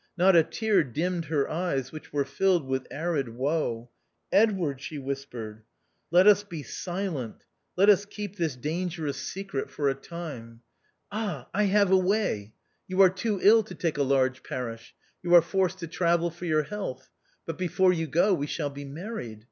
Not a tear dimmed her eyes, which were filled with arid woe. " Edward," she whispered, "let us be silent ; let us keep this dangerous secret for a time. Ah, I have a 126 THE OUTCAST. way. You are too ill to take a large parish. You are forced to travel for your health ; but before you go we shall be married.